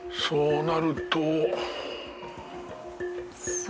そうなると？